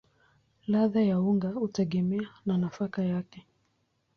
Ladha ya unga hutegemea na nafaka yake.